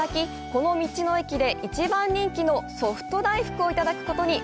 この道の駅で一番人気のソフト大福をいただくことに。